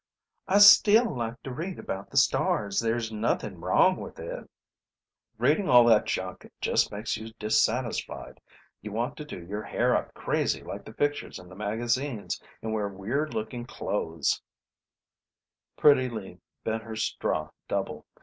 "I still like to read about the stars. There's nothing wrong with it." "Reading all that junk just makes you dissatisfied. You want to do your hair up crazy like the pictures in the magazines and wear weird looking clothes " Pretty Lee bent her straw double.